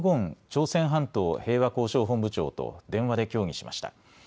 朝鮮半島平和交渉本部長と電話で協議しました。